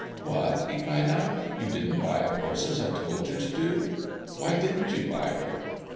"What!" he cried out, "you didn't buy the horse as I told you to do? Why didn't you buy her?"